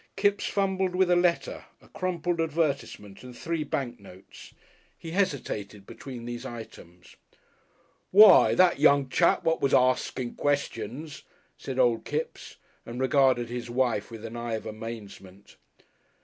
Kipps fumbled with a letter, a crumpled advertisement and three bank notes. He hesitated between these items. "Why! That young chap what was arsting questions " said Old Kipps, and regarded his wife with an eye of amazement.